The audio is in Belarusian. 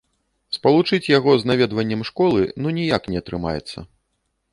Спалучыць яго з наведваннем школы ну ніяк не атрымаецца.